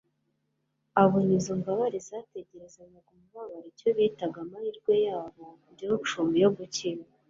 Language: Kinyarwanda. Abona izo mbabare zategerezanyaga umubabaro icyo bitaga amahirwe yabo ndcumbi yo gukira.